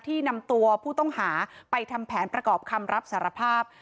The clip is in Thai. นำตัวผู้ต้องหาไปทำแผนประกอบคำรับสารภาพ